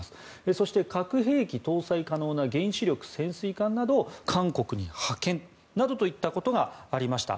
そして、核兵器搭載可能な原子力潜水艦などを韓国に派遣といったことがありました。